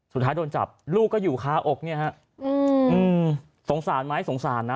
สุดท้ายโดนจับลูกก็อยู่คาอกเนี่ยฮะสงสารไหมสงสารนะ